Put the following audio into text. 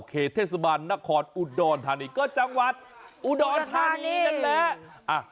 เขตเทศบรรณนครอดอุดอลธานีก็จังหวัดอุดอลธานีนี่นั่นแหละ